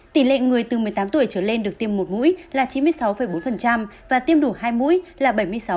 tỷ lệ người từ một mươi tám tuổi trở lên được tiêm một mũi là chín mươi sáu bốn và tiêm đủ hai mũi là bảy mươi sáu